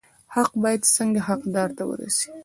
حق باید څنګه حقدار ته ورسي؟